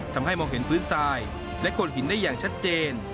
ทำให้มองเห็นพื้นทรายและโคนหินได้อย่างชัดเจน